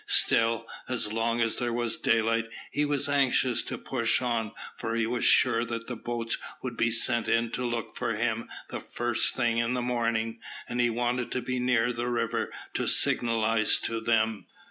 Still, as long as there was daylight, he was anxious to push on, for he was sure that the boats would be sent in to look for him the first thing in the morning, and he wanted to be near the river to signalise to them.